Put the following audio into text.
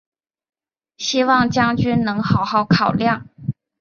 希望将军能好好考量！